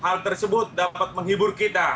hal tersebut dapat menghibur kita